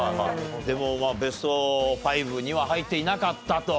でもベスト５には入っていなかったと。